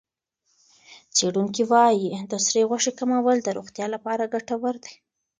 څېړونکي وايي د سرې غوښې کمول د روغتیا لپاره ګټور دي.